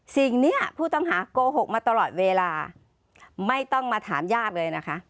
สิ่งนี้ผู้ต้องหาโกหกมาตลอดเวลาไม่ต้องมาถามญาติเลยนะคะ